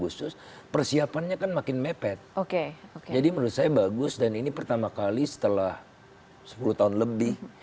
sebagai yang kita ketahui